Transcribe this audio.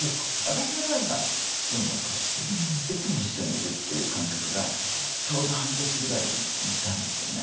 私の場合は父を亡くしいつも一緒にいるっていう感覚がちょうど半年ぐらいに来たんですよね。